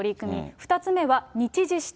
２つ目は日時指定。